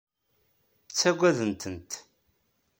Ttagadent-t.